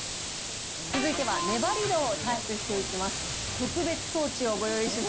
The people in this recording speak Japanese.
続いては粘り度をチェックしていきます。